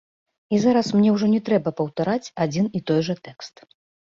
І зараз мне ўжо не трэба паўтараць адзін і той жа тэкст.